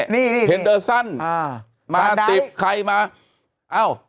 นี่เฮนเดอร์ซันมาติบใครมา